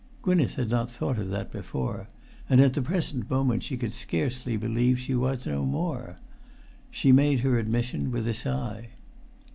Gwynneth had not thought of that before, and at the present moment she could scarcely believe she was no more. She made her admission with a sigh.